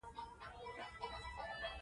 تل پر الله تعالی توکل کوه.